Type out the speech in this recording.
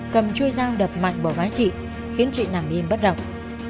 cầm chuôi dao đập mạnh bỏ gái trị khiến trị nằm im bất động